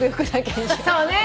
そうね。